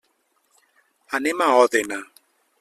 Anem a Òdena.